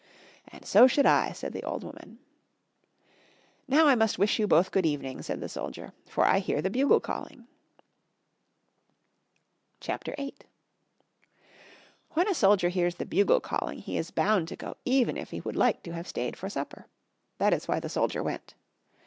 "And so should I," said the old woman. "Now I must wish you both good evening," said the soldier, "for I hear the bugle calling." CHAPTER VIII. When a soldier hears the bugle calling he is bound to go even if he would like to have stayed for supper. That is why the soldier went.